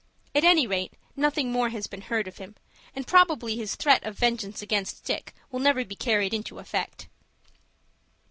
At any rate, nothing more has been heard of him, and probably his threat of vengence against Dick will never be carried into effect.